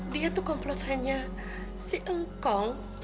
dia tuh komplotannya si engkong